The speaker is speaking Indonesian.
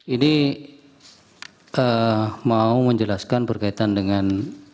ini mau menjelaskan berkaitan dengan